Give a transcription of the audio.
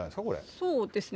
そうですね。